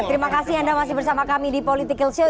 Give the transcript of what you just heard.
ya terima kasih anda masih bersama kami di politikalshow